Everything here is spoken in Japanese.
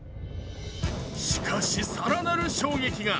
しかし、更なる衝撃が。